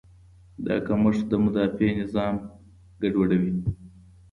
دا کمښت د مدافع نظام ګډوډوي.